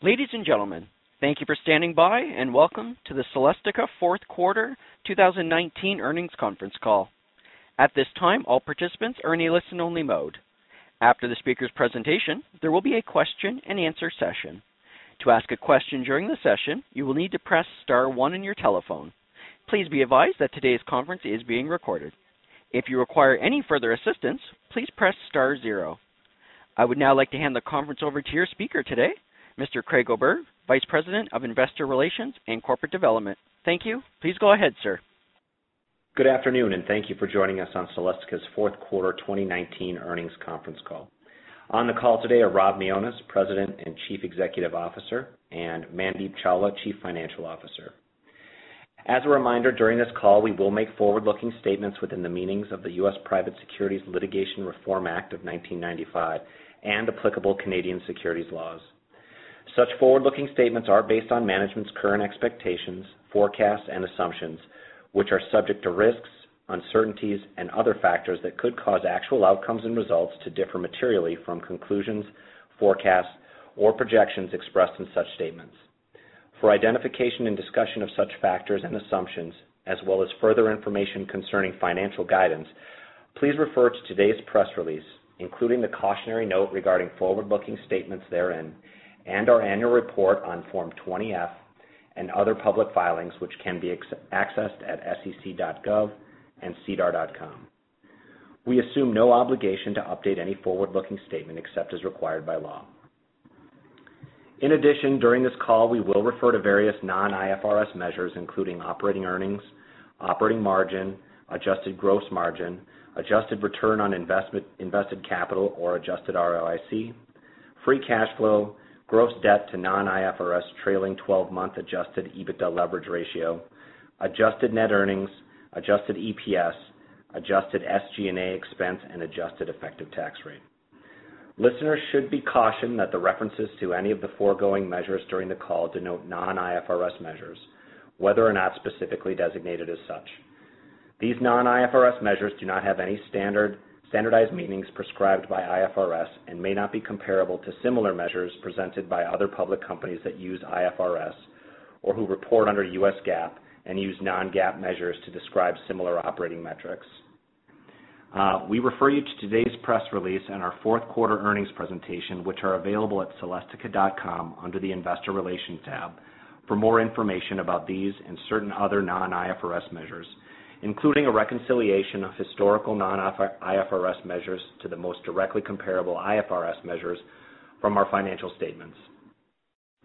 Ladies and gentlemen, thank you for standing by, and welcome to the Celestica fourth quarter 2019 earnings conference call. At this time, all participants are in a listen-only mode. After the speaker's presentation, there will be a question and answer session. To ask a question during the session, you will need to press star one on your telephone. Please be advised that today's conference is being recorded. If you require any further assistance, please press star zero. I would now like to hand the conference over to your speaker today, Mr. Craig Oberg, Vice President of Investor Relations and Corporate Development. Thank you. Please go ahead, sir. Good afternoon, and thank you for joining us on Celestica's fourth quarter 2019 earnings conference call. On the call today are Rob Mionis, President and Chief Executive Officer, and Mandeep Chawla, Chief Financial Officer. As a reminder, during this call, we will make forward-looking statements within the meanings of the U.S. Private Securities Litigation Reform Act of 1995 and applicable Canadian securities laws. Such forward-looking statements are based on management's current expectations, forecasts, and assumptions, which are subject to risks, uncertainties, and other factors that could cause actual outcomes and results to differ materially from conclusions, forecasts, or projections expressed in such statements. For identification and discussion of such factors and assumptions, as well as further information concerning financial guidance, please refer to today's press release, including the cautionary note regarding forward-looking statements therein, and our annual report on Form 20-F and other public filings which can be accessed at SEC.gov and SEDAR.com. We assume no obligation to update any forward-looking statement except as required by law. In addition, during this call, we will refer to various non-IFRS measures, including operating earnings, operating margin, Adjusted Gross Margin, Adjusted Return on Invested Capital or Adjusted ROIC, free cash flow, gross debt to non-IFRS trailing 12-month Adjusted EBITDA leverage ratio, Adjusted Net Earnings, Adjusted EPS, Adjusted SG&A expense, and Adjusted Effective Tax Rate. Listeners should be cautioned that the references to any of the foregoing measures during the call denote non-IFRS measures, whether or not specifically designated as such. These non-IFRS measures do not have any standardized meanings prescribed by IFRS and may not be comparable to similar measures presented by other public companies that use IFRS or who report under U.S. GAAP and use non-GAAP measures to describe similar operating metrics. We refer you to today's press release and our fourth quarter earnings presentation, which are available at Celestica.com under the investor relations tab for more information about these and certain other non-IFRS measures, including a reconciliation of historical non-IFRS measures to the most directly comparable IFRS measures from our financial statements.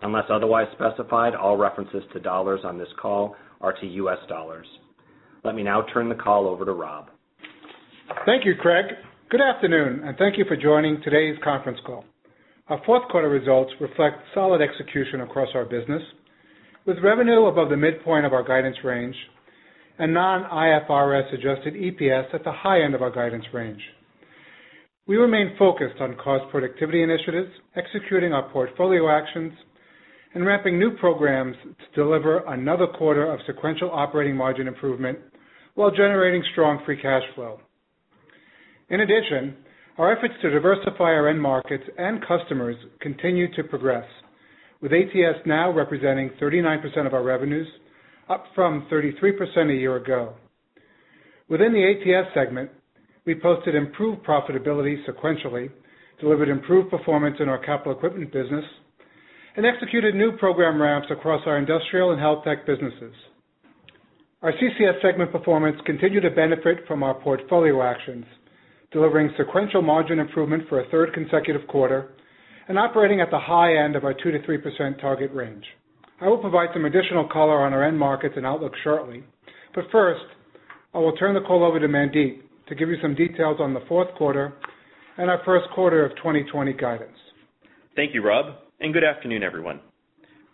Unless otherwise specified, all references to dollars on this call are to U.S. dollars. Let me now turn the call over to Rob. Thank you, Craig. Good afternoon, and thank you for joining today's conference call. Our fourth quarter results reflect solid execution across our business, with revenue above the midpoint of our guidance range and non-IFRS Adjusted EPS at the high end of our guidance range. We remain focused on cost productivity initiatives, executing our portfolio actions, and ramping new programs to deliver another quarter of sequential operating margin improvement while generating strong free cash flow. In addition, our efforts to diversify our end markets and customers continue to progress, with ATS now representing 39% of our revenues, up from 33% a year ago. Within the ATS segment, we posted improved profitability sequentially, delivered improved performance in our Capital Equipment business, and executed new program ramps across our industrial and HealthTech businesses. Our CCS segment performance continued to benefit from our portfolio actions, delivering sequential margin improvement for a third consecutive quarter and operating at the high end of our 2%-3% target range. I will provide some additional color on our end markets and outlook shortly, but first, I will turn the call over to Mandeep to give you some details on the fourth quarter and our first quarter of 2020 guidance. Thank you, Rob, good afternoon, everyone.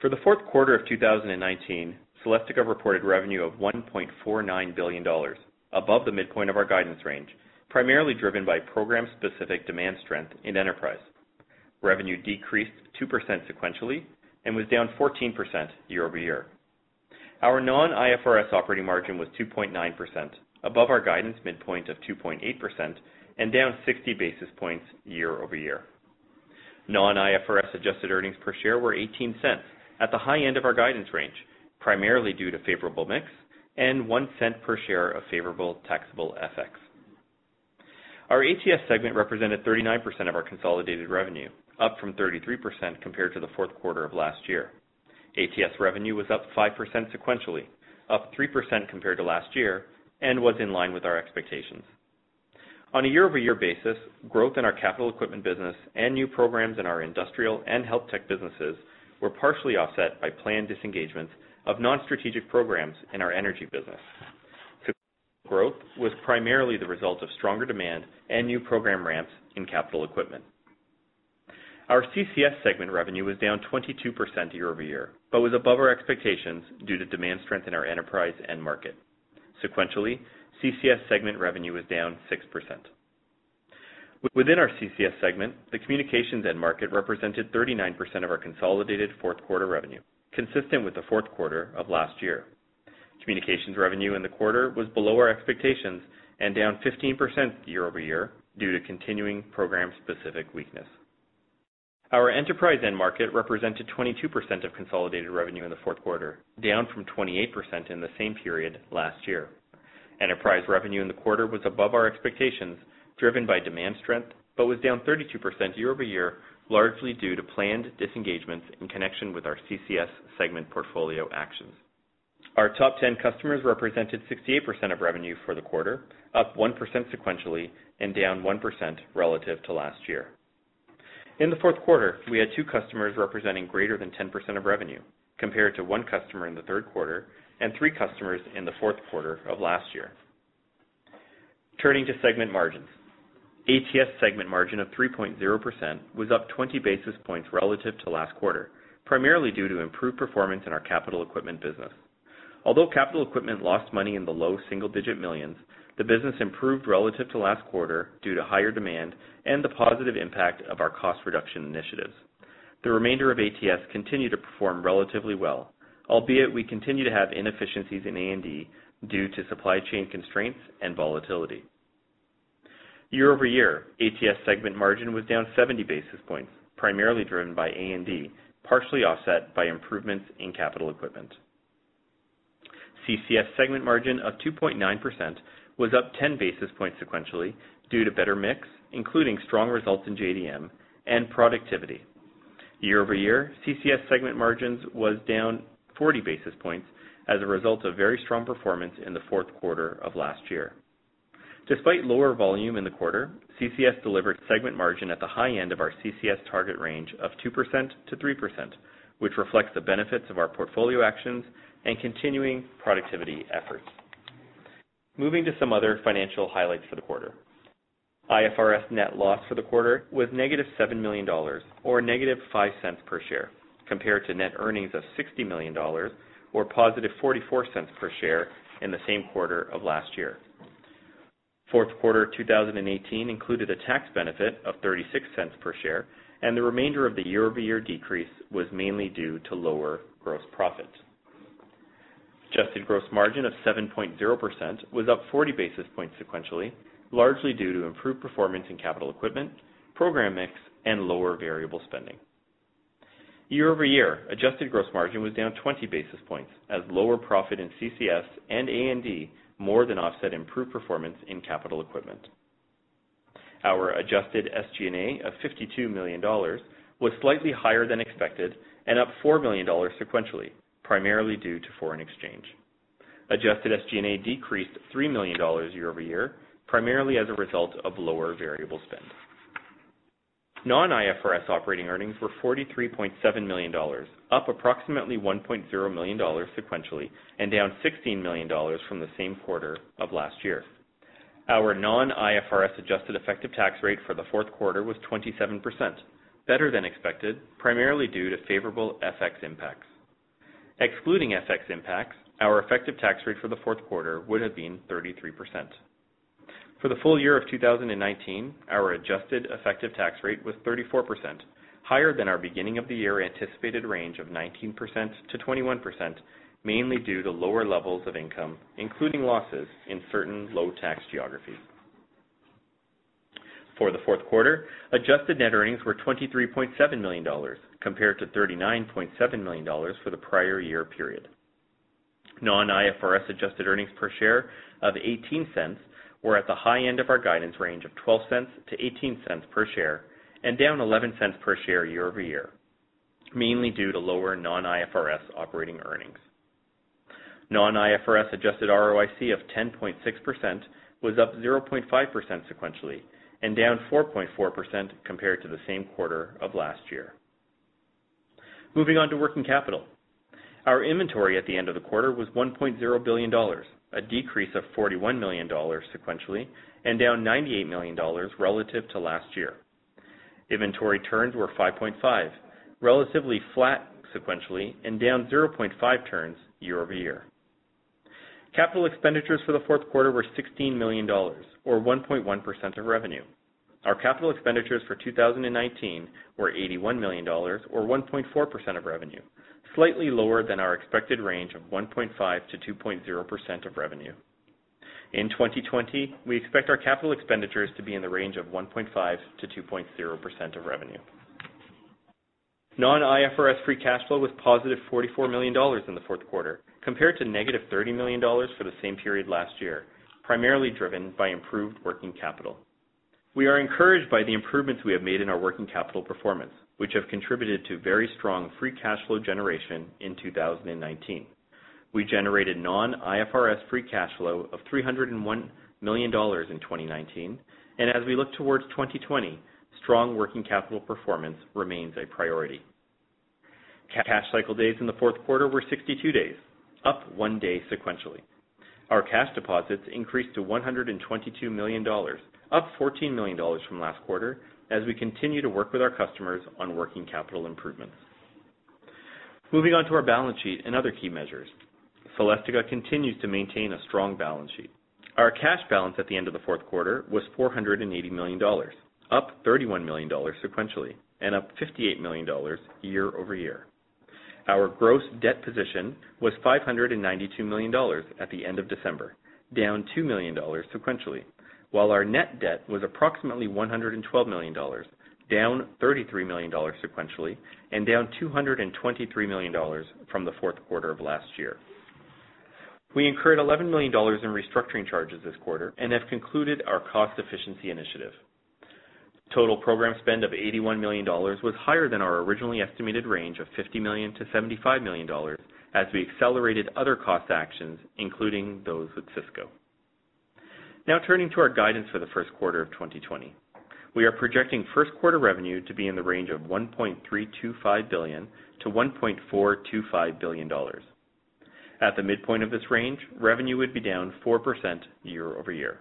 For the fourth quarter of 2019, Celestica reported revenue of $1.49 billion, above the midpoint of our guidance range, primarily driven by program-specific demand strength in Enterprise. Revenue decreased 2% sequentially and was down 14% year-over-year. Our non-IFRS operating margin was 2.9%, above our guidance midpoint of 2.8% and down 60 basis points year-over-year. Non-IFRS adjusted earnings per share were $0.18, at the high end of our guidance range, primarily due to favorable mix and $0.01 per share of favorable taxable FX. Our ATS segment represented 39% of our consolidated revenue, up from 33% compared to the fourth quarter of last year. ATS revenue was up 5% sequentially, up 3% compared to last year, and was in line with our expectations. On a year-over-year basis, growth in our Capital Equipment business and new programs in our industrial and HealthTech businesses were partially offset by planned disengagements of non-strategic programs in our Energy business. Sequential growth was primarily the result of stronger demand and new program ramps in Capital Equipment. Our CCS segment revenue was down 22% year-over-year, but was above our expectations due to demand strength in our Enterprise end market. Sequentially, CCS segment revenue was down 6%. Within our CCS segment, the Communications end market represented 39% of our consolidated fourth quarter revenue, consistent with the fourth quarter of last year. Communications revenue in the quarter was below our expectations and down 15% year-over-year due to continuing program-specific weakness. Our Enterprise end market represented 22% of consolidated revenue in the fourth quarter, down from 28% in the same period last year. Enterprise revenue in the quarter was above our expectations, driven by demand strength, was down 32% year-over-year, largely due to planned disengagements in connection with our CCS segment portfolio actions. Our top 10 customers represented 68% of revenue for the quarter, up 1% sequentially and down 1% relative to last year. In the fourth quarter, we had two customers representing greater than 10% of revenue, compared to one customer in the third quarter and three customers in the fourth quarter of last year. Turning to segment margins. ATS segment margin of 3.0% was up 20 basis points relative to last quarter, primarily due to improved performance in our Capital Equipment business. Although Capital Equipment lost money in the low single-digit millions, the business improved relative to last quarter due to higher demand and the positive impact of our cost reduction initiatives. The remainder of ATS continued to perform relatively well, albeit we continue to have inefficiencies in A&D due to supply chain constraints and volatility. Year-over-year, ATS segment margin was down 70 basis points, primarily driven by A&D, partially offset by improvements in Capital Equipment. CCS segment margin of 2.9% was up 10 basis points sequentially due to better mix, including strong results in JDM and productivity. Year-over-year, CCS segment margin was down 40 basis points as a result of very strong performance in the fourth quarter of last year. Despite lower volume in the quarter, CCS delivered segment margin at the high end of our CCS target range of 2%-3%, which reflects the benefits of our portfolio actions and continuing productivity efforts. Moving to some other financial highlights for the quarter. IFRS net loss for the quarter was -$7 million, or -$0.05 per share, compared to net earnings of $60 million, or +$0.44 per share in the same quarter of last year. Fourth quarter 2018 included a tax benefit of $0.36 per share, the remainder of the year-over-year decrease was mainly due to lower gross profit. Adjusted Gross Margin of 7.0% was up 40 basis points sequentially, largely due to improved performance in Capital Equipment, program mix, and lower variable spending. Year-over-year, Adjusted Gross Margin was down 20 basis points as lower profit in CCS and A&D more than offset improved performance in Capital Equipment. Our Adjusted SG&A of $52 million was slightly higher than expected and up $4 million sequentially, primarily due to foreign exchange. Adjusted SG&A decreased $3 million year-over-year, primarily as a result of lower variable spend. Non-IFRS operating earnings were $43.7 million, up approximately $1.0 million sequentially and down $16 million from the same quarter of last year. Our non-IFRS Adjusted Effective Tax Rate for the fourth quarter was 27%, better than expected, primarily due to favorable FX impacts. Excluding FX impacts, our effective tax rate for the fourth quarter would have been 33%. For the full year of 2019, our Adjusted Effective Tax Rate was 34%, higher than our beginning of the year anticipated range of 19%-21%, mainly due to lower levels of income, including losses in certain low tax geographies. For the fourth quarter, Adjusted Net Earnings were $23.7 million, compared to $39.7 million for the prior year period. Non-IFRS adjusted earnings per share of $0.18 were at the high end of our guidance range of $0.12-$0.18 per share, and down $0.11 per share year-over-year, mainly due to lower non-IFRS operating earnings. Non-IFRS Adjusted ROIC of 10.6% was up 0.5% sequentially and down 4.4% compared to the same quarter of last year. Moving on to working capital. Our inventory at the end of the quarter was $1.0 billion, a decrease of $41 million sequentially and down $98 million relative to last year. Inventory turns were 5.5, relatively flat sequentially and down 0.5 turns year-over-year. Capital expenditures for the fourth quarter were $16 million, or 1.1% of revenue. Our capital expenditures for 2019 were $81 million, or 1.4% of revenue, slightly lower than our expected range of 1.5%-2.0% of revenue. In 2020, we expect our capital expenditures to be in the range of 1.5%-2.0% of revenue. Non-IFRS free cash flow was +$44 million in the fourth quarter, compared to -$30 million for the same period last year, primarily driven by improved working capital. We are encouraged by the improvements we have made in our working capital performance, which have contributed to very strong free cash flow generation in 2019. We generated non-IFRS free cash flow of $301 million in 2019, and as we look towards 2020, strong working capital performance remains a priority. Cash cycle days in the fourth quarter were 62 days, up one day sequentially. Our cash deposits increased to $122 million, up $14 million from last quarter as we continue to work with our customers on working capital improvements. Moving on to our balance sheet and other key measures. Celestica continues to maintain a strong balance sheet. Our cash balance at the end of the fourth quarter was $480 million, up $31 million sequentially and up $58 million year-over-year. Our gross debt position was $592 million at the end of December, down $2 million sequentially. Our net debt was approximately $112 million, down $33 million sequentially and down $223 million from the fourth quarter of last year. We incurred $11 million in restructuring charges this quarter and have concluded our cost efficiency initiative. Total program spend of $81 million was higher than our originally estimated range of $50 million-$75 million as we accelerated other cost actions, including those with Cisco. Now, turning to our guidance for the first quarter of 2020. We are projecting first quarter revenue to be in the range of $1.325 billion-$1.425 billion. At the midpoint of this range, revenue would be down 4% year-over-year.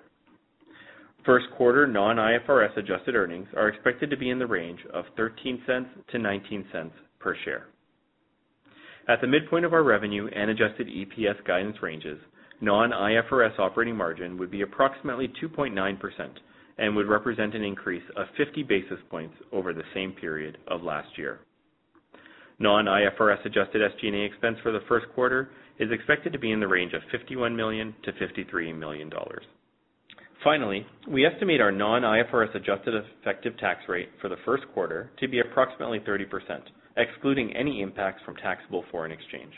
First quarter non-IFRS adjusted earnings are expected to be in the range of $0.13-$0.19 per share. At the midpoint of our revenue and Adjusted EPS guidance ranges, non-IFRS operating margin would be approximately 2.9% and would represent an increase of 50 basis points over the same period of last year. Non-IFRS Adjusted SG&A expense for the first quarter is expected to be in the range of $51 million-$53 million. We estimate our non-IFRS Adjusted Effective Tax Rate for the first quarter to be approximately 30%, excluding any impacts from taxable foreign exchange.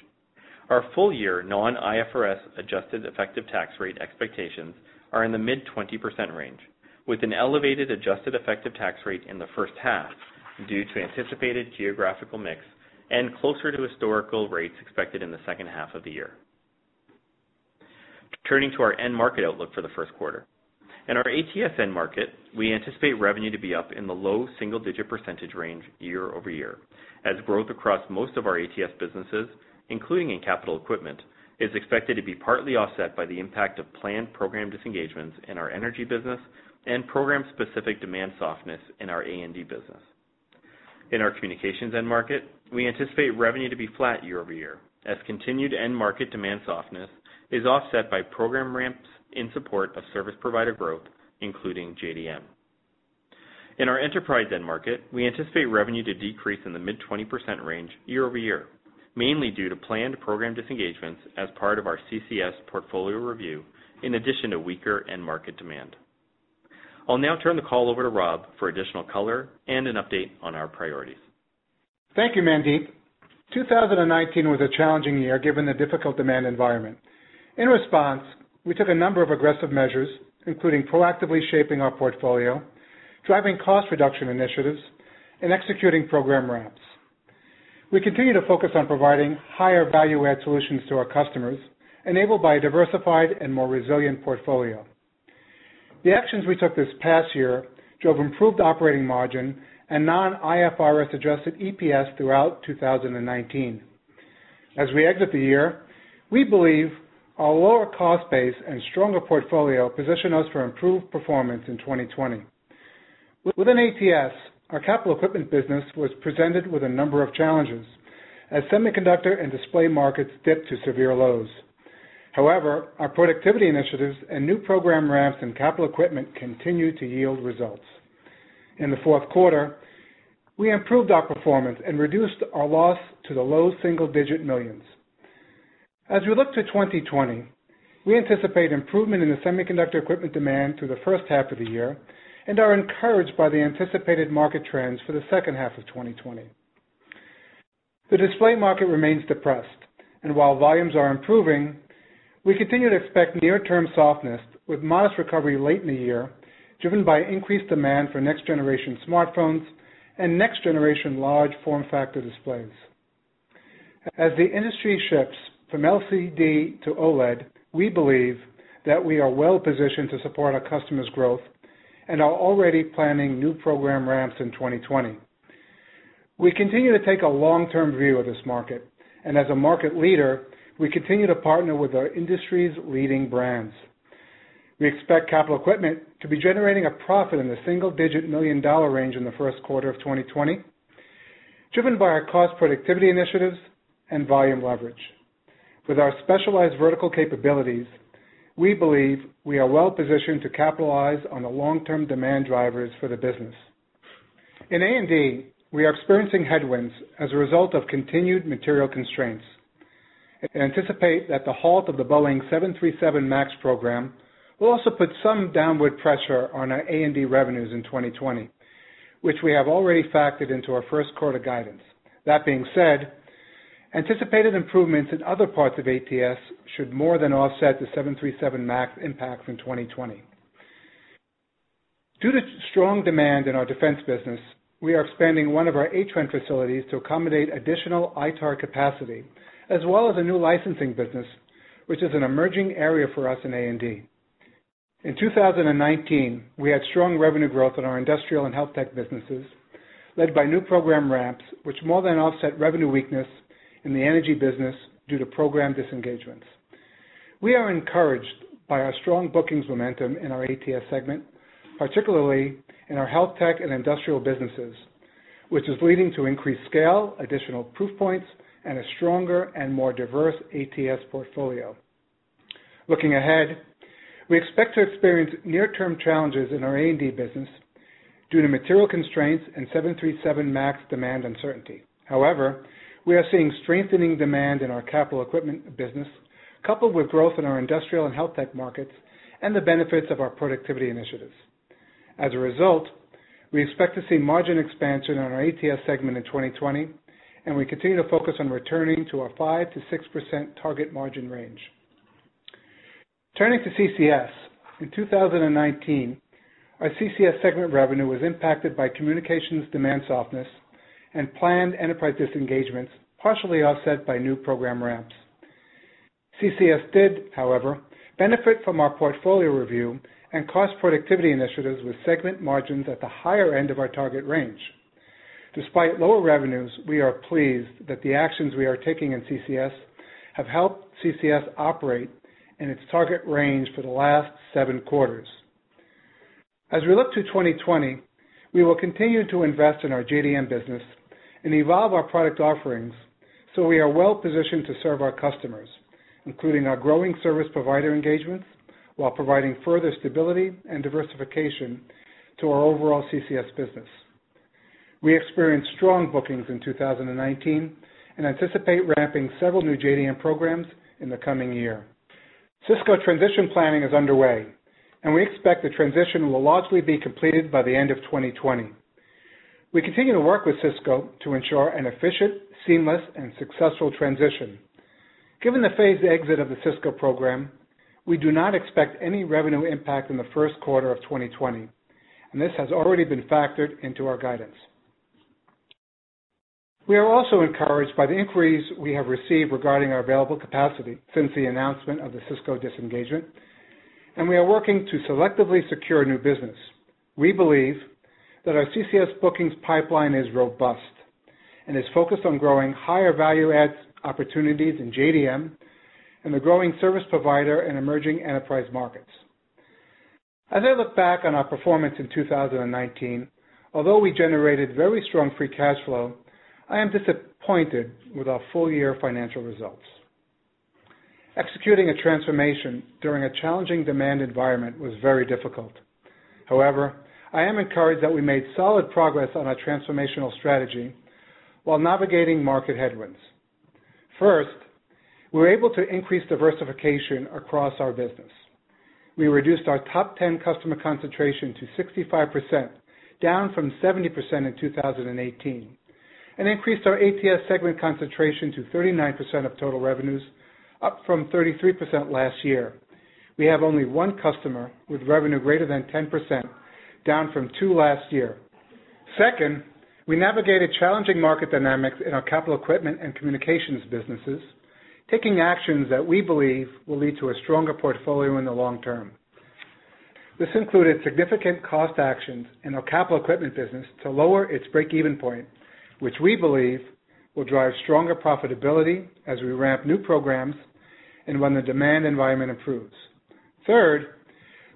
Our full year non-IFRS Adjusted Effective Tax Rate expectations are in the mid-20% range, with an elevated Adjusted Effective Tax Rate in the first half due to anticipated geographical mix and closer to historical rates expected in the second half of the year. Turning to our end market outlook for the first quarter. In our ATS end market, we anticipate revenue to be up in the low single-digit percentage range year-over-year, as growth across most of our ATS businesses, including in Capital Equipment, is expected to be partly offset by the impact of planned program disengagements in our Energy business and program-specific demand softness in our A&D business. In our Communications end market, we anticipate revenue to be flat year-over-year as continued end market demand softness is offset by program ramps in support of service provider growth, including JDM. In our Enterprise end market, we anticipate revenue to decrease in the mid 20% range year-over-year, mainly due to planned program disengagements as part of our CCS portfolio review, in addition to weaker end market demand. I'll now turn the call over to Rob for additional color and an update on our priorities. Thank you, Mandeep. 2019 was a challenging year given the difficult demand environment. In response, we took a number of aggressive measures, including proactively shaping our portfolio, driving cost reduction initiatives, and executing program ramps. We continue to focus on providing higher value add solutions to our customers, enabled by a diversified and more resilient portfolio. The actions we took this past year drove improved operating margin and non-IFRS Adjusted EPS throughout 2019. As we exit the year, we believe our lower cost base and stronger portfolio position us for improved performance in 2020. Within ATS, our Capital Equipment business was presented with a number of challenges as semiconductor and display markets dipped to severe lows. However, our productivity initiatives and new program ramps and Capital Equipment continue to yield results. In the fourth quarter, we improved our performance and reduced our loss to the low single-digit millions. As we look to 2020, we anticipate improvement in the semiconductor equipment demand through the first half of the year and are encouraged by the anticipated market trends for the second half of 2020. The display market remains depressed, and while volumes are improving, we continue to expect near-term softness with modest recovery late in the year, driven by increased demand for next-generation smartphones and next-generation large form factor displays. As the industry shifts from LCD to OLED, we believe that we are well-positioned to support our customers' growth and are already planning new program ramps in 2020. We continue to take a long-term view of this market, and as a market leader, we continue to partner with our industry's leading brands. We expect Capital Equipment to be generating a profit in the single-digit million-dollar range in the first quarter of 2020, driven by our cost productivity initiatives and volume leverage. With our specialized vertical capabilities, we believe we are well-positioned to capitalize on the long-term demand drivers for the business. In A&D, we are experiencing headwinds as a result of continued material constraints, and anticipate that the halt of the Boeing 737 MAX program will also put some downward pressure on our A&D revenues in 2020, which we have already factored into our first quarter guidance. That being said, anticipated improvements in other parts of ATS should more than offset the 737 MAX impact in 2020. Due to strong demand in our Defense business, we are expanding one of our Atrenne facilities to accommodate additional ITAR capacity, as well as a new licensing business, which is an emerging area for us in A&D. In 2019, we had strong revenue growth in our industrial and HealthTech businesses, led by new program ramps, which more than offset revenue weakness in the Energy business due to program disengagements. We are encouraged by our strong bookings momentum in our ATS segment, particularly in our HealthTech and industrial businesses, which is leading to increased scale, additional proof points, and a stronger and more diverse ATS portfolio. Looking ahead, we expect to experience near-term challenges in our A&D business due to material constraints and 737 MAX demand uncertainty. We are seeing strengthening demand in our Capital Equipment business, coupled with growth in our industrial and HealthTech markets and the benefits of our productivity initiatives. We expect to see margin expansion on our ATS segment in 2020, and we continue to focus on returning to our 5%-6% target margin range. Turning to CCS. In 2019, our CCS segment revenue was impacted by Communications demand softness and planned Enterprise disengagements, partially offset by new program ramps. CCS did, however, benefit from our portfolio review and cost productivity initiatives with segment margins at the higher end of our target range. Despite lower revenues, we are pleased that the actions we are taking in CCS have helped CCS operate in its target range for the last seven quarters. As we look to 2020, we will continue to invest in our JDM business and evolve our product offerings so we are well-positioned to serve our customers, including our growing service provider engagements, while providing further stability and diversification to our overall CCS business. We experienced strong bookings in 2019 and anticipate ramping several new JDM programs in the coming year. Cisco transition planning is underway, and we expect the transition will largely be completed by the end of 2020. We continue to work with Cisco to ensure an efficient, seamless, and successful transition. Given the phased exit of the Cisco program, we do not expect any revenue impact in the first quarter of 2020, and this has already been factored into our guidance. We are also encouraged by the inquiries we have received regarding our available capacity since the announcement of the Cisco disengagement, and we are working to selectively secure new business. We believe that our CCS bookings pipeline is robust and is focused on growing higher value-add opportunities in JDM and the growing service provider in emerging Enterprise markets. As I look back on our performance in 2019, although we generated very strong free cash flow, I am disappointed with our full-year financial results. Executing a transformation during a challenging demand environment was very difficult. I am encouraged that we made solid progress on our transformational strategy while navigating market headwinds. First, we were able to increase diversification across our business. We reduced our top 10 customer concentration to 65%, down from 70% in 2018, and increased our ATS segment concentration to 39% of total revenues, up from 33% last year. We have only one customer with revenue greater than 10%, down from two last year. Second, we navigated challenging market dynamics in our Capital Equipment and Communications businesses, taking actions that we believe will lead to a stronger portfolio in the long term. This included significant cost actions in our Capital Equipment business to lower its break-even point, which we believe will drive stronger profitability as we ramp new programs and when the demand environment improves. Third,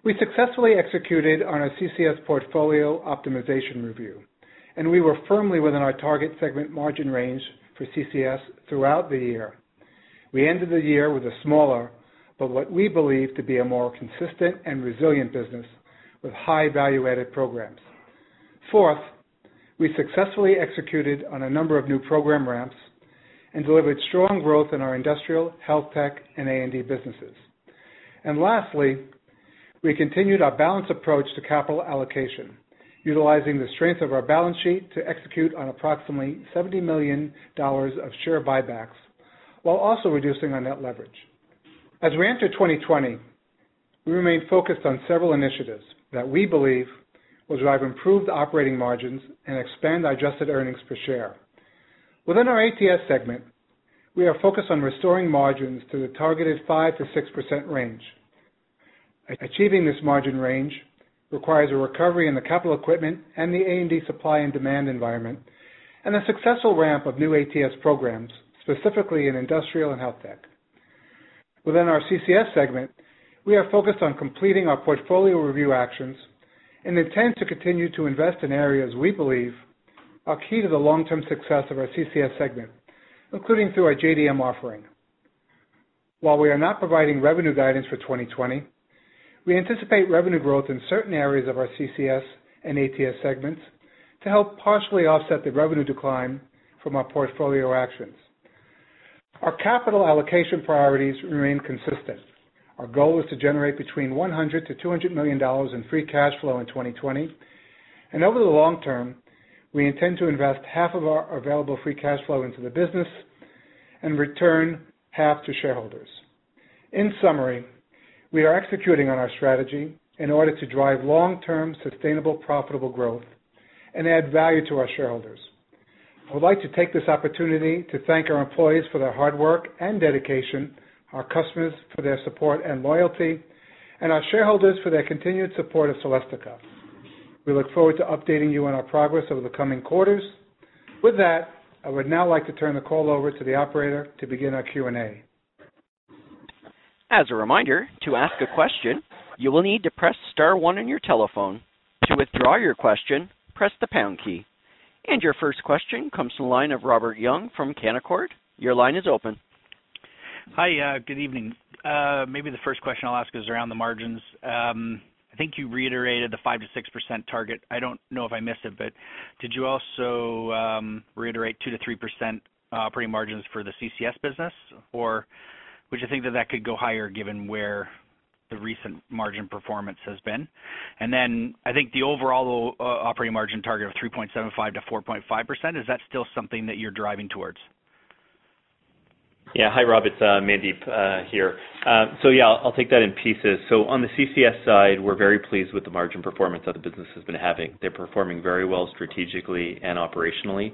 we successfully executed on our CCS portfolio optimization review, and we were firmly within our target segment margin range for CCS throughout the year. We ended the year with a smaller, but what we believe to be a more consistent and resilient business with high value-added programs. Fourth, we successfully executed on a number of new program ramps and delivered strong growth in our industrial, HealthTech, and A&D businesses. Lastly, we continued our balanced approach to capital allocation, utilizing the strength of our balance sheet to execute on approximately $70 million of share buybacks while also reducing our net leverage. As we enter 2020, we remain focused on several initiatives that we believe will drive improved operating margins and expand our adjusted earnings per share. Within our ATS segment, we are focused on restoring margins to the targeted 5%-6% range. Achieving this margin range requires a recovery in the Capital Equipment and the A&D supply and demand environment and a successful ramp of new ATS programs, specifically in industrial and HealthTech. Within our CCS segment, we are focused on completing our portfolio review actions and intend to continue to invest in areas we believe are key to the long-term success of our CCS segment, including through our JDM offering. While we are not providing revenue guidance for 2020, we anticipate revenue growth in certain areas of our CCS and ATS segments to help partially offset the revenue decline from our portfolio actions. Our capital allocation priorities remain consistent. Our goal is to generate between $100 million-$200 million in free cash flow in 2020, and over the long term, we intend to invest half of our available free cash flow into the business and return half to shareholders. In summary, we are executing on our strategy in order to drive long-term, sustainable, profitable growth and add value to our shareholders. I would like to take this opportunity to thank our employees for their hard work and dedication, our customers for their support and loyalty, and our shareholders for their continued support of Celestica. We look forward to updating you on our progress over the coming quarters. With that, I would now like to turn the call over to the operator to begin our Q&A. As a reminder, to ask a question, you will need to press star one on your telephone. To withdraw your question, press the pound key. Your first question comes from the line of Robert Young from Canaccord Genuity. Your line is open. Hi, good evening. Maybe the first question I'll ask is around the margins. I think you reiterated the 5%-6% target. I don't know if I missed it, but did you also reiterate 2%-3% operating margins for the CCS business, or would you think that that could go higher given where the recent margin performance has been? I think the overall operating margin target of 3.75%-4.5%, is that still something that you're driving towards? Hi, Rob, it's Mandeep here. I'll take that in pieces. On the CCS side, we're very pleased with the margin performance that the business has been having. They're performing very well strategically and operationally.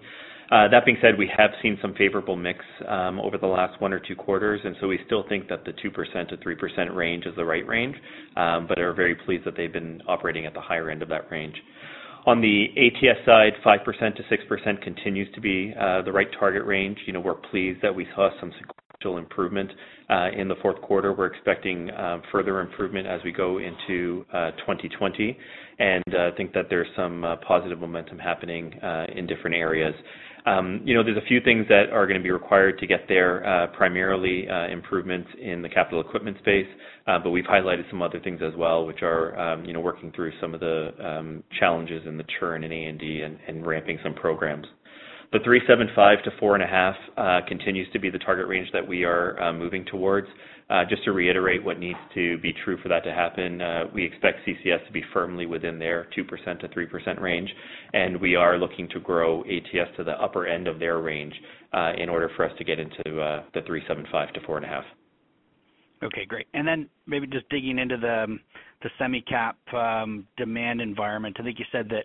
That being said, we have seen some favorable mix over the last one or two quarters. We still think that the 2%-3% range is the right range, but are very pleased that they've been operating at the higher end of that range. On the ATS side, 5%-6% continues to be the right target range. We're pleased that we saw some sequential improvement in the fourth quarter. We're expecting further improvement as we go into 2020. We think that there's some positive momentum happening in different areas. There's a few things that are going to be required to get there, primarily, improvements in the Capital Equipment space. We've highlighted some other things as well, which are working through some of the challenges and the churn in A&D and ramping some programs. The 3.75%-4.5% continues to be the target range that we are moving towards. Just to reiterate what needs to be true for that to happen, we expect CCS to be firmly within their 2%-3% range, and we are looking to grow ATS to the upper end of their range, in order for us to get into the 3.75%-4.5%. Okay, great. Maybe just digging into the semi-cap demand environment. I think you said that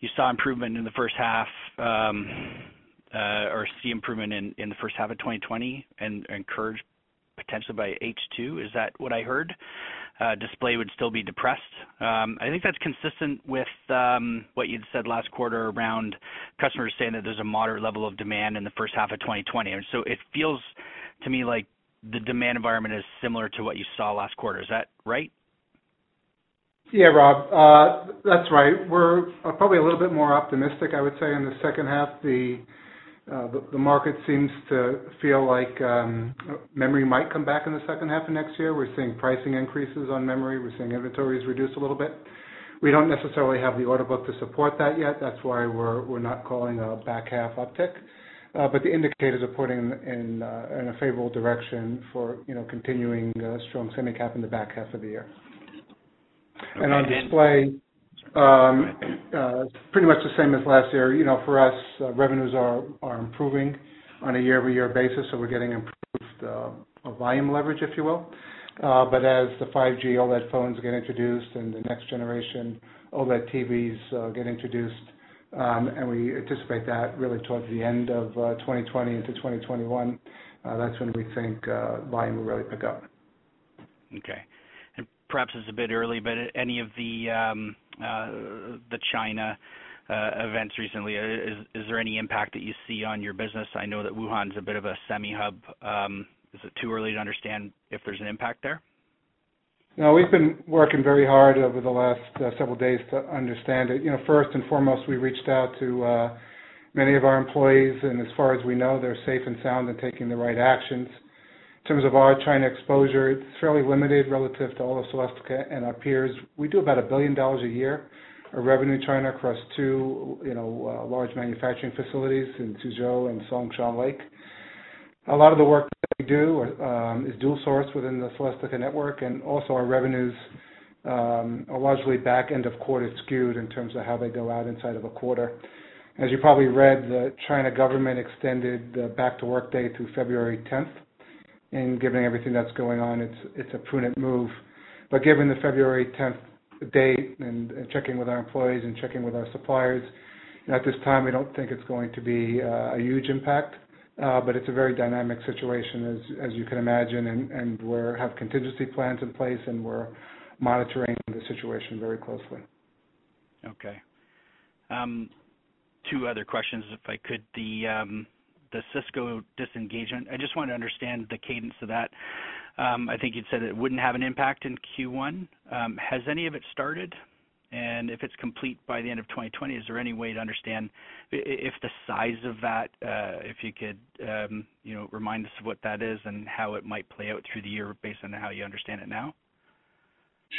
you saw improvement in the first half or see improvement in the first half of 2020. Encouraged potentially by H2. Is that what I heard? Display would still be depressed. I think that's consistent with what you'd said last quarter around customers saying that there's a moderate level of demand in the first half of 2020. It feels to me like the demand environment is similar to what you saw last quarter. Is that right? Rob, that's right. We're probably a little bit more optimistic, I would say, in the second half. The market seems to feel like memory might come back in the second half of next year. We're seeing pricing increases on memory. We're seeing inventories reduce a little bit. We don't necessarily have the order book to support that yet. That's why we're not calling a back half uptick. The indicators are pointing in a favorable direction for continuing strong semi-cap in the back half of the year. Okay. On display, pretty much the same as last year. For us, revenues are improving on a year-over-year basis, we're getting improved, volume leverage, if you will. As the 5G OLED phones get introduced and the next generation OLED TVs get introduced, and we anticipate that really towards the end of 2020 into 2021, that's when we think volume will really pick up. Okay. Perhaps it's a bit early, but any of the China events recently, is there any impact that you see on your business? I know that Wuhan is a bit of a semi hub. Is it too early to understand if there's an impact there? No, we've been working very hard over the last several days to understand it. First and foremost, we reached out to many of our employees, and as far as we know, they're safe and sound and taking the right actions. In terms of our China exposure, it's fairly limited relative to all of Celestica and our peers. We do about $1 billion a year of revenue in China across two large manufacturing facilities in Suzhou and Songshan Lake. A lot of the work that we do is dual sourced within the Celestica network, and also our revenues are largely back end of quarter skewed in terms of how they go out inside of a quarter. As you probably read, the China government extended the back to work date through February 10, and given everything that's going on, it's a prudent move. Given the February 10th date and checking with our employees and checking with our suppliers, at this time, we don't think it's going to be a huge impact. It's a very dynamic situation as you can imagine, and we have contingency plans in place, and we're monitoring the situation very closely. Okay. Two other questions, if I could. The Cisco disengagement, I just want to understand the cadence of that. I think you'd said it wouldn't have an impact in Q1. Has any of it started? If it's complete by the end of 2020, is there any way to understand if the size of that, if you could remind us of what that is and how it might play out through the year based on how you understand it now?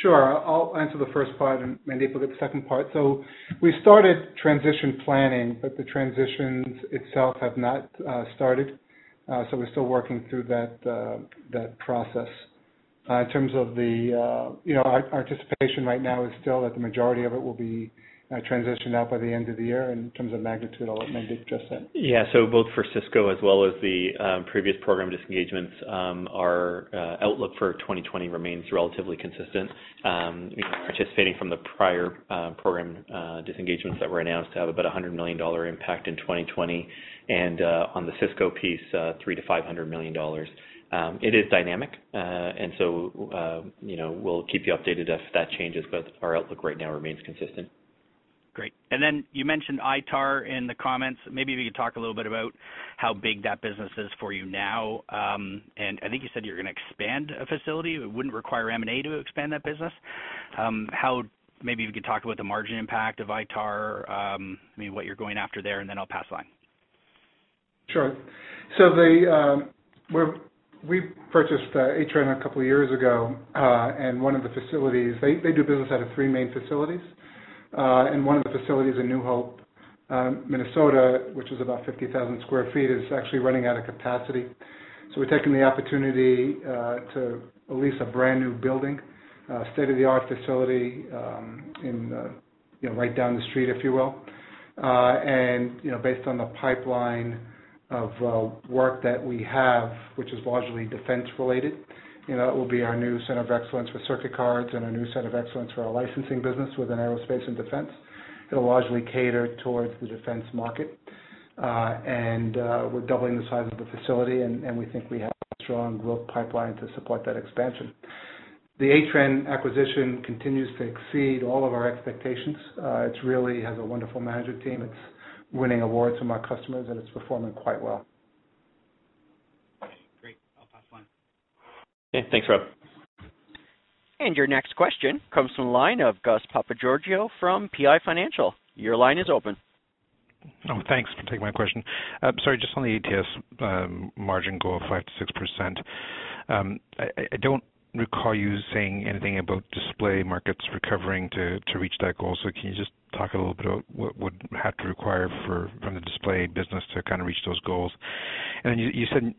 Sure. I'll answer the first part and Mandeep will get the second part. We started transition planning, but the transitions itself have not started. We're still working through that process. In terms of our participation right now is still that the majority of it will be transitioned out by the end of the year. In terms of magnitude, I'll let Mandeep address that. Yeah. Both for Cisco as well as the previous program disengagements, our outlook for 2020 remains relatively consistent. We've been participating from the prior program disengagements that were announced to have about $100 million impact in 2020 and, on the Cisco piece, $300 million-$500 million. It is dynamic. We'll keep you updated if that changes. Our outlook right now remains consistent. Great. Then you mentioned ITAR in the comments. Maybe we could talk a little bit about how big that business is for you now. I think you said you're going to expand a facility. It wouldn't require M&A to expand that business. Maybe we could talk about the margin impact of ITAR, what you're going after there, and then I'll pass the line. Sure. We purchased Atrenne a couple of years ago. They do business out of three main facilities, and one of the facilities in New Hope, Minnesota, which is about 50,000 sq ft, is actually running out of capacity. We're taking the opportunity to lease a brand-new building, a state-of-the-art facility right down the street, if you will. Based on the pipeline of work that we have, which is largely Defense related, it will be our new center of excellence for circuit cards and our new center of excellence for our licensing business within Aerospace and Defense. It'll largely cater towards the Defense market. We're doubling the size of the facility, and we think we have a strong growth pipeline to support that expansion. The Atrenne acquisition continues to exceed all of our expectations. It really has a wonderful management team. It's winning awards from our customers, and it's performing quite well. Great. I'll pass the line. Okay. Thanks, Rob. Your next question comes from the line of Gus Papageorgiou from PI Financial. Your line is open. Oh, thanks for taking my question. Sorry, just on the ATS margin goal of 5%-6%. I don't recall you saying anything about display markets recovering to reach that goal. Can you just talk a little bit about what would have to require from the display business to kind of reach those goals? You said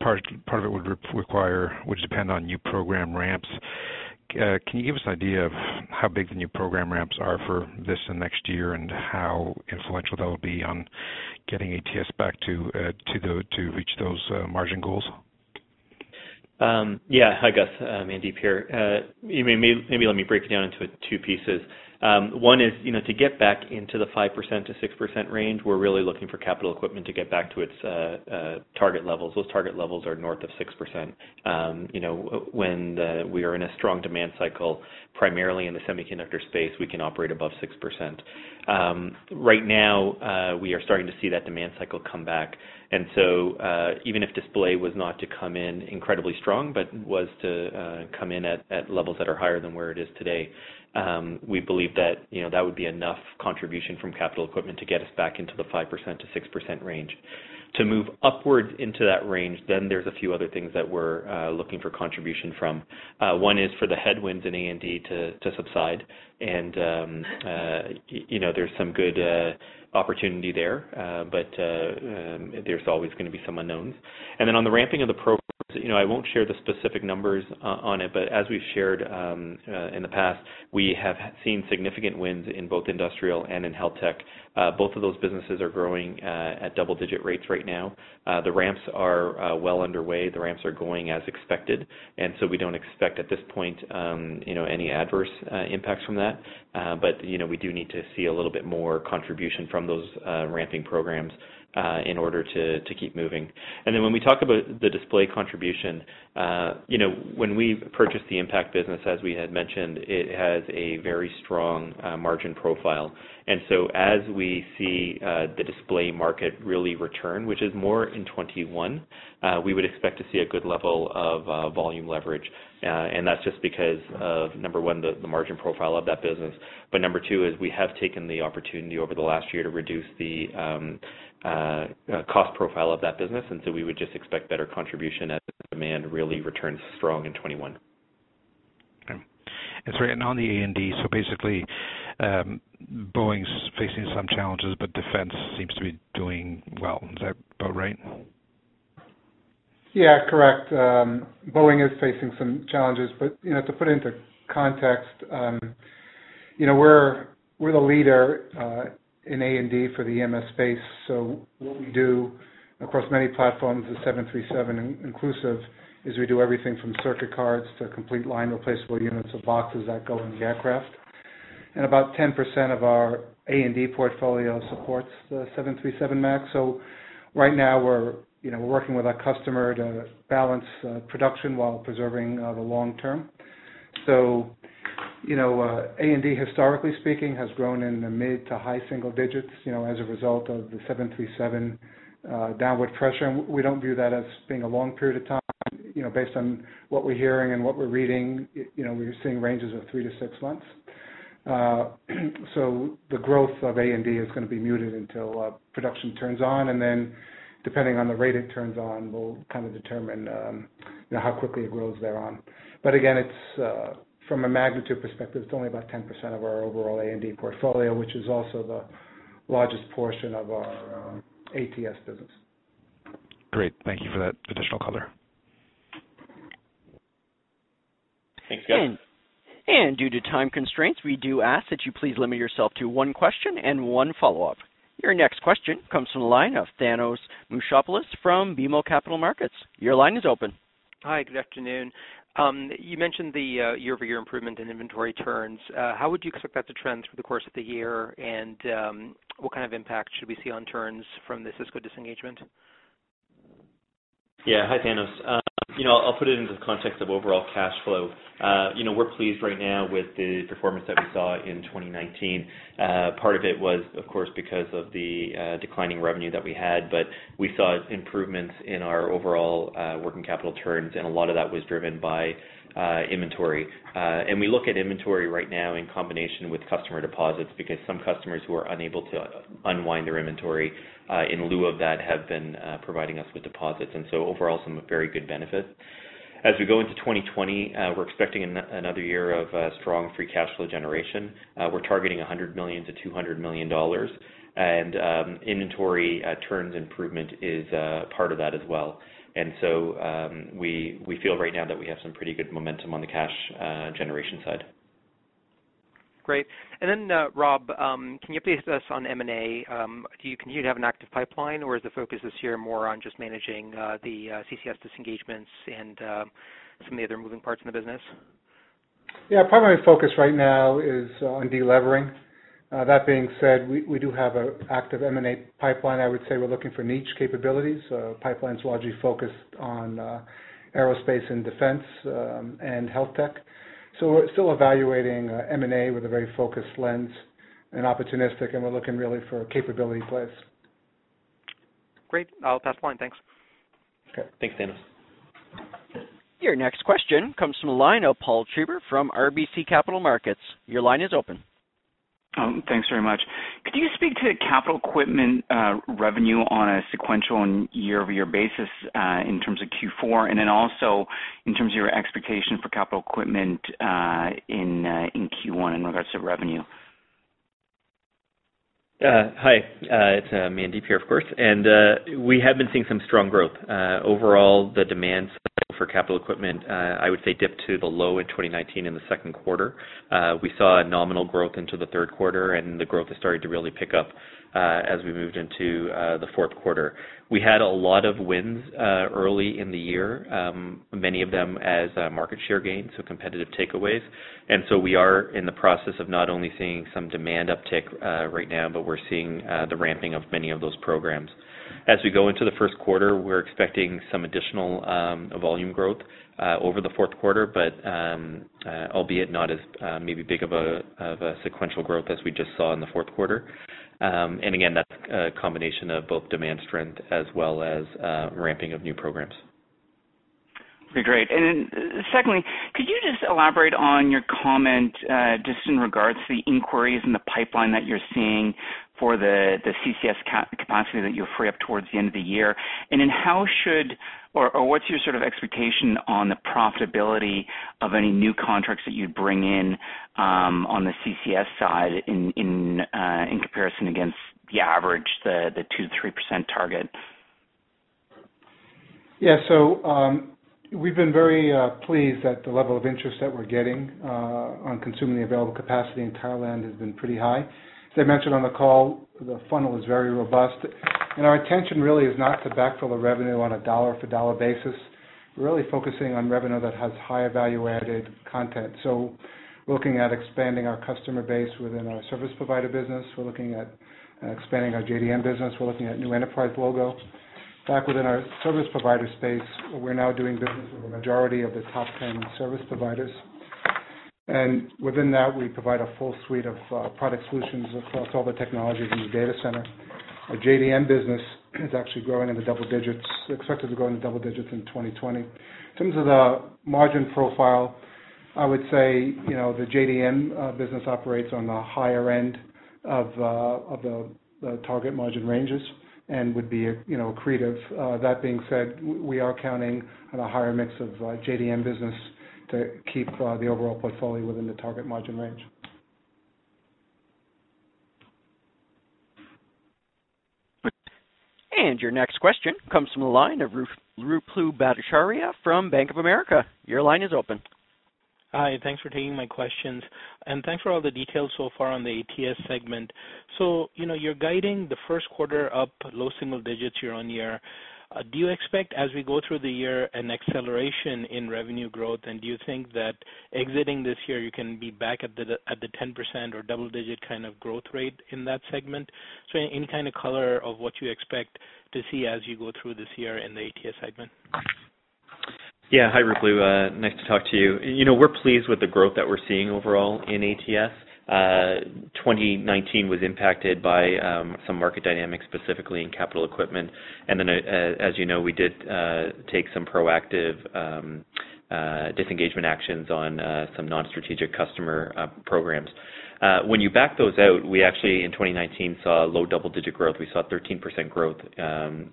part of it would depend on new program ramps. Can you give us an idea of how big the new program ramps are for this and next year, and how influential that will be on getting ATS back to reach those margin goals? Hi, Gus. Mandeep here. Maybe let me break it down into two pieces. One is to get back into the 5%-6% range, we're really looking for Capital Equipment to get back to its target levels. Those target levels are north of 6%. When we are in a strong demand cycle, primarily in the semiconductor space, we can operate above 6%. Right now, we are starting to see that demand cycle come back, and so even if display was not to come in incredibly strong, but was to come in at levels that are higher than where it is today, we believe that would be enough contribution from Capital Equipment to get us back into the 5%-6% range. To move upwards into that range, then there's a few other things that we're looking for contribution from. One is for the headwinds in A&D to subside. There's some good opportunity there's always going to be some unknowns. Then on the ramping of the programs, I won't share the specific numbers on it, but as we've shared in the past, we have seen significant wins in both industrial and in HealthTech. Both of those businesses are growing at double-digit rates right now. The ramps are well underway. The ramps are going as expected, so we don't expect, at this point, any adverse impacts from that. We do need to see a little bit more contribution from those ramping programs in order to keep moving. Then when we talk about the display contribution, when we purchased the Impakt business, as we had mentioned, it has a very strong margin profile. As we see the display market really return, which is more in 2021, we would expect to see a good level of volume leverage. That's just because of, number one, the margin profile of that business. Number two is we have taken the opportunity over the last year to reduce the cost profile of that business, and so we would just expect better contribution as the demand really returns strong in 2021. Okay. Sorry, and on the A&D, so basically, Boeing's facing some challenges, but Defense seems to be doing well. Is that about right? Yeah, correct. Boeing is facing some challenges, but to put it into context, we're the leader in A&D for the EMS space. What we do across many platforms, the 737 inclusive, is we do everything from circuit cards to complete line replaceable units of boxes that go in the aircraft. About 10% of our A&D portfolio supports the 737 MAX. Right now, we're working with our customer to balance production while preserving the long term. A&D, historically speaking, has grown in the mid to high single digits as a result of the 737 downward pressure, and we don't view that as being a long period of time. Based on what we're hearing and what we're reading, we're seeing ranges of three to six months. The growth of A&D is going to be muted until production turns on, and then depending on the rate it turns on, we'll kind of determine how quickly it grows thereon. Again, from a magnitude perspective, it's only about 10% of our overall A&D portfolio, which is also the largest portion of our ATS business. Great. Thank you for that additional color. Thanks, Gus. Due to time constraints, we do ask that you please limit yourself to one question and one follow-up. Your next question comes from the line of Thanos Moschopoulos from BMO Capital Markets. Your line is open. Hi, good afternoon. You mentioned the year-over-year improvement in inventory turns. How would you expect that to trend through the course of the year, and what kind of impact should we see on turns from the Cisco disengagement? Hi, Thanos. I'll put it into the context of overall cash flow. We're pleased right now with the performance that we saw in 2019. Part of it was, of course, because of the declining revenue that we had, but we saw improvements in our overall working capital turns, and a lot of that was driven by inventory. We look at inventory right now in combination with customer deposits, because some customers who are unable to unwind their inventory, in lieu of that, have been providing us with deposits. Overall, some very good benefits. As we go into 2020, we're expecting another year of strong free cash flow generation. We're targeting $100 million-$200 million. Inventory turns improvement is part of that as well. We feel right now that we have some pretty good momentum on the cash generation side. Great. Rob, can you update us on M&A? Do you continue to have an active pipeline, or is the focus this year more on just managing the CCS disengagements and some of the other moving parts in the business? Yeah. Primary focus right now is on de-levering. That being said, we do have an active M&A pipeline. I would say we're looking for niche capabilities. Pipeline's largely focused on Aerospace and Defense, and HealthTech. We're still evaluating M&A with a very focused lens and opportunistic, and we're looking really for capability plays. Great. I'll pass the line. Thanks. Okay. Thanks, Thanos. Your next question comes from the line of Paul Treiber from RBC Capital Markets. Your line is open. Thanks very much. Could you speak to Capital Equipment revenue on a sequential and year-over-year basis, in terms of Q4, and then also in terms of your expectation for Capital Equipment, in Q1 in regards to revenue? Hi, it's Mandeep here, of course. We have been seeing some strong growth. Overall, the demand signal for Capital Equipment, I would say dipped to the low in 2019 in the second quarter. We saw a nominal growth into the third quarter. The growth has started to really pick up as we moved into the fourth quarter. We had a lot of wins, early in the year, many of them as market share gains, so competitive takeaways. We are in the process of not only seeing some demand uptick right now, but we're seeing the ramping of many of those programs. As we go into the first quarter, we're expecting some additional volume growth over the fourth quarter, albeit not as maybe big of a sequential growth as we just saw in the fourth quarter. Again, that's a combination of both demand strength as well as ramping of new programs. Great. Secondly, could you just elaborate on your comment, just in regards to the inquiries and the pipeline that you're seeing for the CCS capacity that you'll free up towards the end of the year? How should, or what's your sort of expectation on the profitability of any new contracts that you'd bring in on the CCS side in comparison against the average, the 2%-3% target? Yeah, we've been very pleased at the level of interest that we're getting, on consuming the available capacity in Thailand has been pretty high. As I mentioned on the call, the funnel is very robust. Our intention really is not to backfill the revenue on a dollar-for-dollar basis. We're really focusing on revenue that has higher value-added content. We're looking at expanding our customer base within our service provider business. We're looking at expanding our JDM business. We're looking at new Enterprise logo. Back within our service provider space, we're now doing business with a majority of the top 10 service providers. Within that, we provide a full suite of product solutions across all the technologies in the data center. Our JDM business is actually growing in the double digits. We expect it to grow in the double digits in 2020. In terms of the margin profile, I would say the JDM business operates on the higher end of the target margin ranges and would be accretive. That being said, we are counting on a higher mix of JDM business to keep the overall portfolio within the target margin range. Your next question comes from the line of Ruplu Bhattacharya from Bank of America. Your line is open. Hi, thanks for taking my questions. Thanks for all the details so far on the ATS segment. You're guiding the first quarter up low single digits year-on-year. Do you expect, as we go through the year, an acceleration in revenue growth? Do you think that exiting this year, you can be back at the 10% or double digit kind of growth rate in that segment? Any kind of color of what you expect to see as you go through this year in the ATS segment? Yeah. Hi, Ruplu. Nice to talk to you. We're pleased with the growth that we're seeing overall in ATS. 2019 was impacted by some market dynamics, specifically in Capital Equipment. As you know, we did take some proactive disengagement actions on some non-strategic customer programs. When you back those out, we actually, in 2019, saw low double-digit growth. We saw 13% growth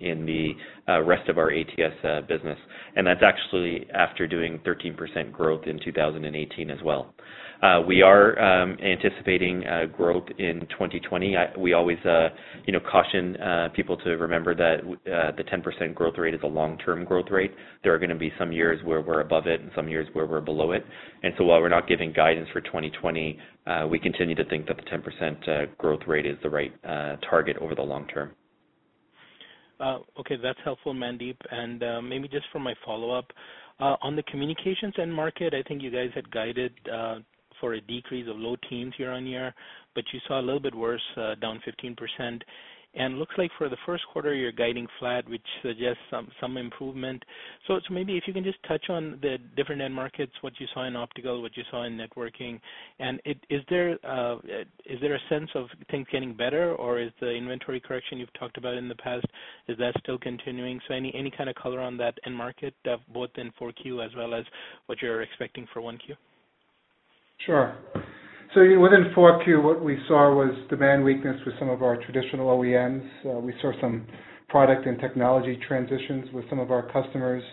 in the rest of our ATS business, and that's actually after doing 13% growth in 2018 as well. We are anticipating growth in 2020. We always caution people to remember that the 10% growth rate is a long-term growth rate. There are going to be some years where we're above it and some years where we're below it. While we're not giving guidance for 2020, we continue to think that the 10% growth rate is the right target over the long term. Okay. That's helpful, Mandeep. Maybe just for my follow-up on the Communications end market, I think you guys had guided for a decrease of low teens year-on-year, but you saw a little bit worse, down 15%. Looks like for the first quarter you're guiding flat, which suggests some improvement. Maybe if you can just touch on the different end markets, what you saw in optical, what you saw in networking, and is there a sense of things getting better, or is the inventory correction you've talked about in the past, is that still continuing? Any kind of color on that end market, both in 4Q as well as what you're expecting for 1Q? Sure. Within 4Q, what we saw was demand weakness with some of our traditional OEMs. We saw some product and technology transitions with some of our customers.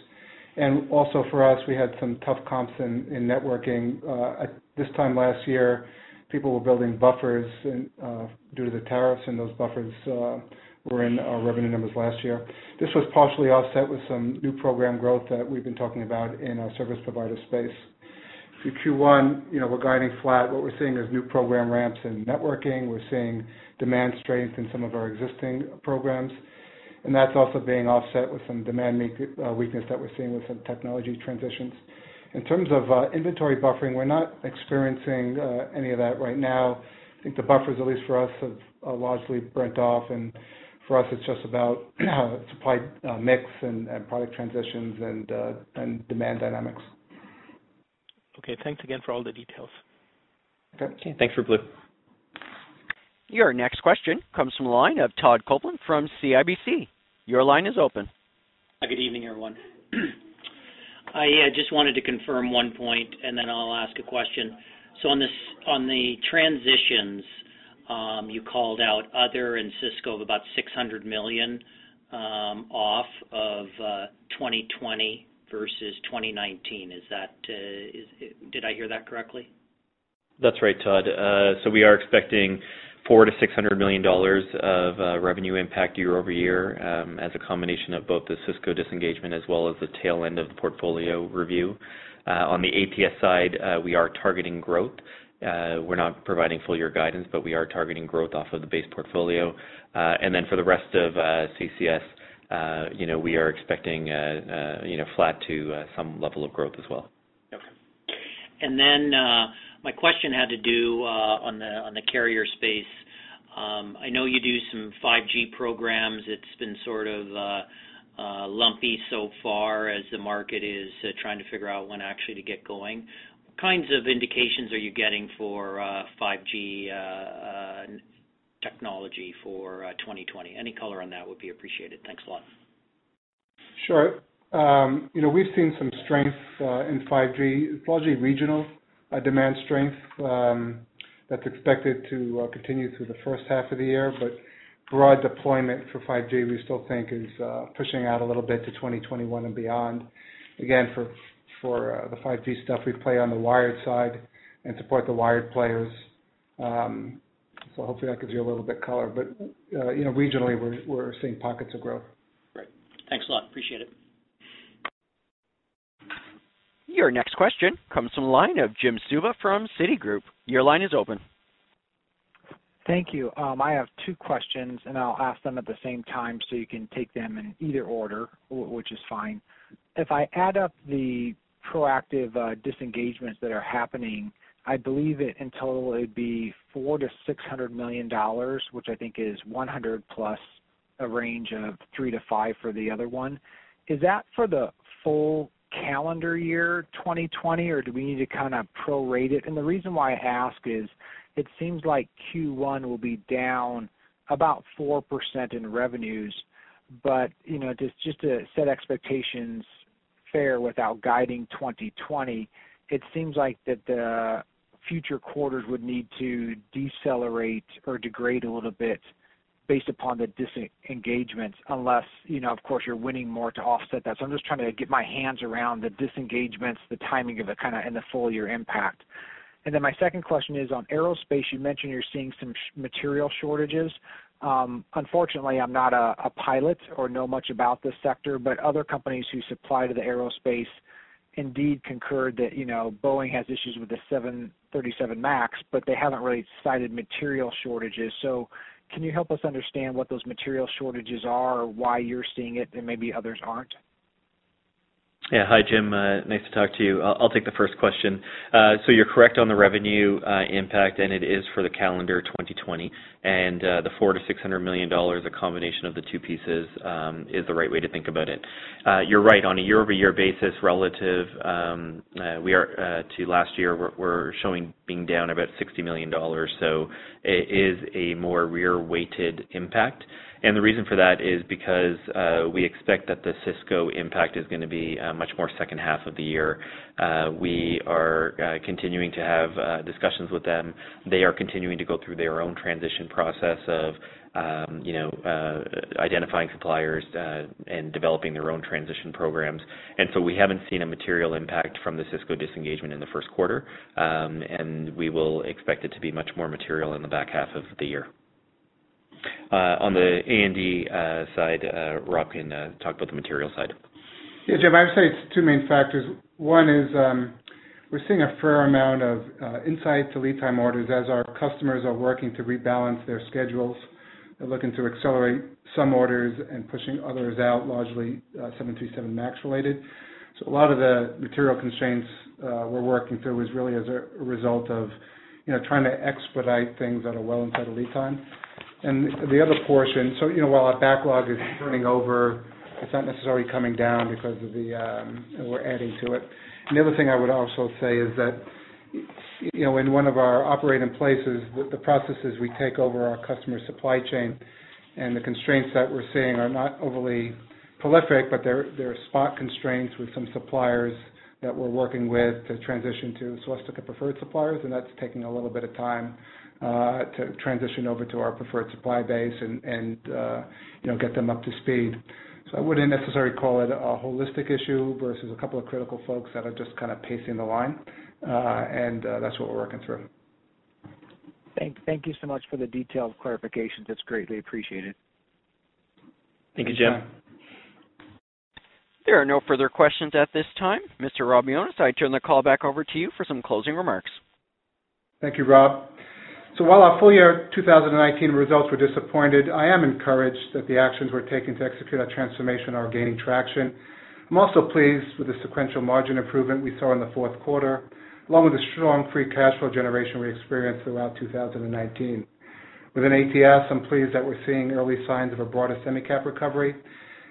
Also for us, we had some tough comps in networking. At this time last year, people were building buffers due to the tariffs, and those buffers were in our revenue numbers last year. This was partially offset with some new program growth that we've been talking about in our service provider space. For Q1, we're guiding flat. What we're seeing is new program ramps in networking. We're seeing demand strength in some of our existing programs, and that's also being offset with some demand weakness that we're seeing with some technology transitions. In terms of inventory buffering, we're not experiencing any of that right now. I think the buffers, at least for us, have largely burnt off, and for us, it's just about supply mix and product transitions and demand dynamics. Okay. Thanks again for all the details. Okay. Thanks, Ruplu. Your next question comes from the line of Todd Coupland from CIBC. Your line is open. Good evening, everyone. I just wanted to confirm one point, and then I'll ask a question. On the transitions, you called out other and Cisco of about $600 million off of 2020 versus 2019. Did I hear that correctly? That's right, Todd. We are expecting $400 million-$600 million of revenue impact year-over-year as a combination of both the Cisco disengagement as well as the tail end of the portfolio review. On the ATS side, we are targeting growth. We're not providing full year guidance, but we are targeting growth off of the base portfolio. Then for the rest of CCS, we are expecting flat to some level of growth as well. Okay. My question had to do on the carrier space. I know you do some 5G programs. It's been sort of lumpy so far as the market is trying to figure out when actually to get going. What kinds of indications are you getting for 5G technology for 2020? Any color on that would be appreciated. Thanks a lot. Sure. We've seen some strength in 5G. It's largely regional demand strength that's expected to continue through the first half of the year. Broad deployment for 5G we still think is pushing out a little bit to 2021 and beyond. Again, for the 5G stuff, we play on the wired side and support the wired players. Hopefully that gives you a little bit color. Regionally, we're seeing pockets of growth. Great. Thanks a lot. Appreciate it. Your next question comes from the line of Jim Suva from Citigroup. Your line is open. Thank you. I have two questions. I'll ask them at the same time, so you can take them in either order, which is fine. If I add up the proactive disengagements that are happening, I believe it in total, it'd be $400 million-$600 million, which I think is 100 plus a range of 3 to 5 for the other one. Is that for the full calendar year 2020? Do we need to kind of prorate it? The reason why I ask is, it seems like Q1 will be down about 4% in revenues. Just to set expectations fair without guiding 2020, it seems like that the future quarters would need to decelerate or degrade a little bit based upon the disengagements, unless, of course, you're winning more to offset that. I'm just trying to get my hands around the disengagements, the timing of it, kind of, and the full year impact. My second question is on aerospace. You mentioned you're seeing some material shortages. Unfortunately, I'm not a pilot or know much about this sector, but other companies who supply to the aerospace indeed concurred that Boeing has issues with the 737 MAX, but they haven't really cited material shortages. Can you help us understand what those material shortages are or why you're seeing it and maybe others aren't? Yeah. Hi, Jim. Nice to talk to you. I'll take the first question. You're correct on the revenue impact, and it is for the calendar 2020. The $400 million-$600 million, a combination of the two pieces, is the right way to think about it. You're right, on a year-over-year basis relative to last year, we're showing being down about $60 million. It is a more rear-weighted impact. The reason for that is because we expect that the Cisco impact is going to be much more second half of the year. We are continuing to have discussions with them. They are continuing to go through their own transition process of identifying suppliers and developing their own transition programs. We haven't seen a material impact from the Cisco disengagement in the first quarter, and we will expect it to be much more material in the back half of the year. On the A&D side, Rob can talk about the material side. Jim, I would say it's two main factors. We're seeing a fair amount of inside of lead time orders as our customers are working to rebalance their schedules and looking to accelerate some orders and pushing others out, largely 737 MAX related. A lot of the material constraints we're working through is really as a result of trying to expedite things that are well inside of lead time. The other portion, while our backlog is turning over, it's not necessarily coming down because we're adding to it. The other thing I would also say is that in one of our operating places, the processes we take over our customer supply chain and the constraints that we're seeing are not overly prolific, but there are spot constraints with some suppliers that we're working with to transition to Celestica preferred suppliers, and that's taking a little bit of time to transition over to our preferred supply base and get them up to speed. I wouldn't necessarily call it a holistic issue versus a couple of critical folks that are just kind of pacing the line. That's what we're working through. Thank you so much for the detailed clarification. That's greatly appreciated. Thank you, Jim. There are no further questions at this time. Mr. Rob Mionis, I turn the call back over to you for some closing remarks. Thank you, Rob. While our full year 2019 results were disappointed, I am encouraged that the actions we're taking to execute our transformation are gaining traction. I'm also pleased with the sequential margin improvement we saw in the fourth quarter, along with the strong free cash flow generation we experienced throughout 2019. Within ATS, I'm pleased that we're seeing early signs of a broader semi-cap recovery.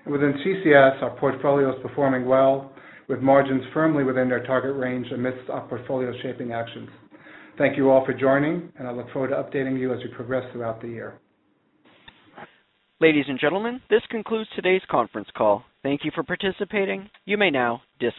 Within CCS, our portfolio is performing well with margins firmly within their target range amidst our portfolio shaping actions. Thank you all for joining, and I look forward to updating you as we progress throughout the year. Ladies and gentlemen, this concludes today's conference call. Thank you for participating. You may now disconnect.